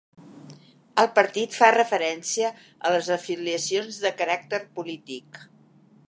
El partit fa referència a les afiliacions de caràcter polític.